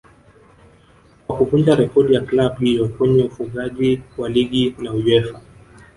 kwa kuvunja rekodi ya club hiyo kwenye ufungaji wa ligi na Uefa